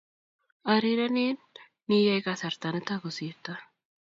arirenen ne iyai kasrta nitok kosirto